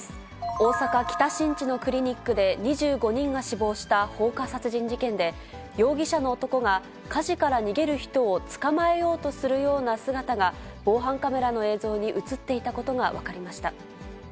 大阪・北新地のクリニックで２５人が死亡した放火殺人事件で、容疑者の男が、火事から逃げる人をつかまえようとするような姿が、防犯カメラの映像に写っていたことが分かりました。